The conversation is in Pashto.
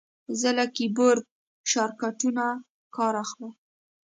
زه له کیبورډ شارټکټونو کار اخلم.